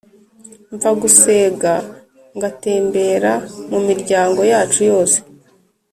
Mvagusega ngatembera mumiryango yacu yose